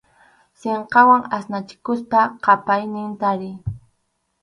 Sinqawan asnachikuspa qʼapaynin tariy.